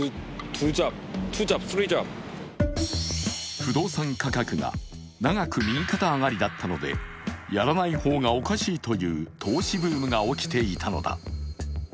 不動産価格が長く右肩上がりだったので、やらない方がおかしいという投資ブームが起きていたのだ。